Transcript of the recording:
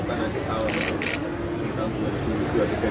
kalau kita bisa melewati turbulensi kemarin dua ribu dua puluh dua